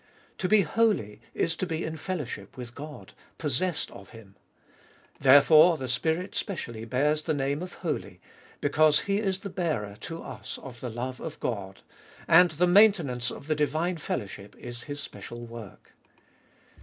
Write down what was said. To be holy is to be in fellowship with God, possessed of Him. Therefore the Spirit specially bears the name of Holy, because He is the bearer to us of the love of God, and the maintenance of the divine fellowship is His special work.